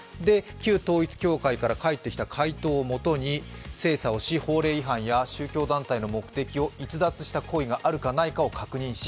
旧統一教会から返ってきた回答をもとに精査をし、法令違反や宗教団体の目的を逸脱した行為があるかないかを確認し、